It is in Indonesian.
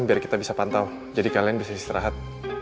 biar kita bisa pantau jadi kalian bisa istirahat